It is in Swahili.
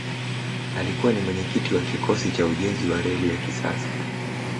alikuwa ni mwenyekiti wa kikosi cha ujenzi wa reli ya kisasa